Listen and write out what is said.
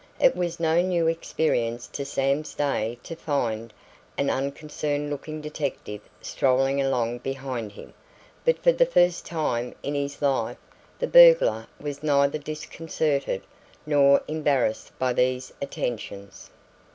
It was no new experience to Sam Stay to find an unconcerned looking detective strolling along behind him; but for the first time in his life the burglar was neither disconcerted nor embarrassed by these attentions.